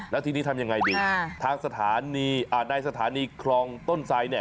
แล้วทีนี้ทำอย่างไรดีทางสถานีในสถานีครองต้นใสนี่